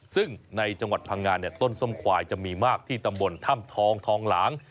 ซึ่งในจังหวัดพังงานต้นส้มควายจะมีมากที่ตำบลถ้ำทองทองหลาง